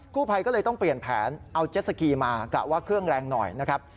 ผู้ภัยก็เลยต้องเปลี่ยนแผนเอาเจ็ดสกีมากะว่าเครื่องแรงหน่อยนะครับ